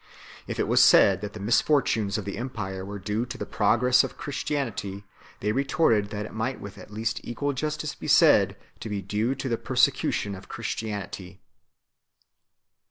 If it was said that the misfortunes of the empire were due to the progress of Christianity, they retorted that it might with at least equal justice be said to be due to the persecution of Christianity.